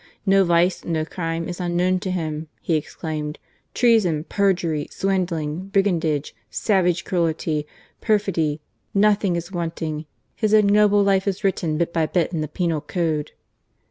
" No vice, no crime, is unknown to him," he ex claimed. " Treason, perjury, swindling, brigandage, savage cruelty, perfidy, nothing is wanting. His ignoble life is written bit by bit in the penal code."